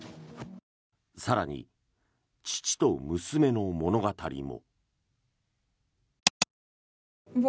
更に、父と娘の物語も。